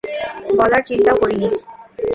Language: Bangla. বলার চিন্তাও করি নি।